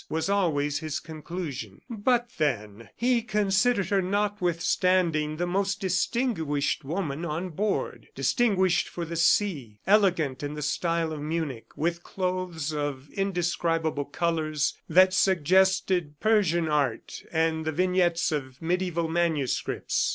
was always his conclusion. But then, he considered her, notwithstanding, the most distinguished woman on board distinguished for the sea elegant in the style of Munich, with clothes of indescribable colors that suggested Persian art and the vignettes of mediaeval manuscripts.